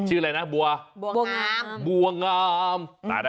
ชื่ออะไรนะบัวงาม